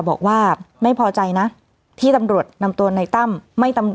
บอกว่าไม่พอใจนะที่ตำรวจนำตัวนายต้ำ